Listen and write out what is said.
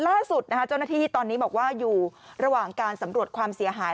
ล่าสุดเจ้าหน้าที่ตอนนี้บอกว่าอยู่ระหว่างการสำรวจความเสียหาย